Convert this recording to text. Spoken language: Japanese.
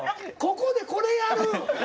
ここでこれやる！